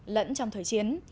lẫn trong thời chiến